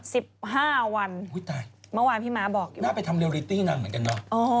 สิบห้าวันอุ้ยตายเมื่อวานพี่ม้าบอกน่าไปทำเรลิตี้นางเหมือนกันเนอะอ๋อ